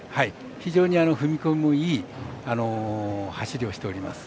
非常に踏み込みもいい走りをしております。